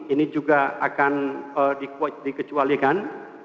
ini juga akan dikecualikan